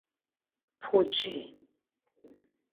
Puci!